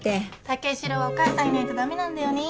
武四郎はお母さんいないと駄目なんだよね。